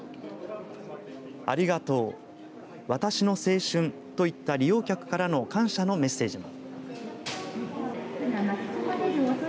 ありがとう私の青春といった利用客からの感謝のメッセージも。